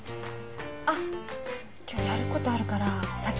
あっ今日やることあるから先帰ってて。